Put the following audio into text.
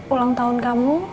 ulang tahun kamu